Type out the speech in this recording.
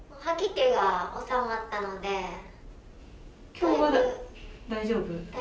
今日は大丈夫？